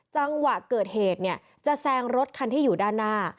จังหวะเกิดเหตุเนี่ยจะแซงรถคันที่อยู่ด้านหน้า